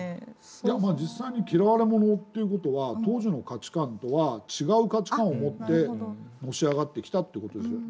いや実際に嫌われ者っていう事は当時の価値観とは違う価値観を持ってのし上がってきたって事でしょう。